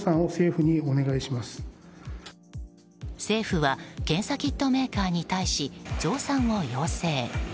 政府は検査キットメーカーに対し増産を要請。